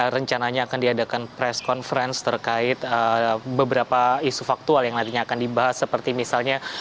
rencananya akan diadakan press conference terkait beberapa isu faktual yang nantinya akan dibahas seperti misalnya